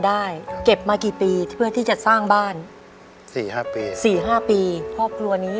ได้เก็บมากี่ปีเพื่อที่จะสร้างบ้านสี่ห้าปีสี่ห้าปีครอบครัวนี้